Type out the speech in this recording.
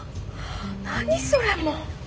何それもう。